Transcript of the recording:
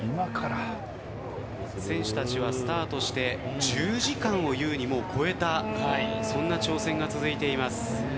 選手たちはスタートして１０時間を優に超えたそんな挑戦が続いています。